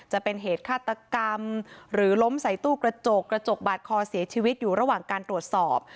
จะเป็นเหตุฆาตกรรมหรือล้มใส่ตู้กระจกกระจกบาดคอเสียชีวิตอยู่ระหว่างการตรวจสอบ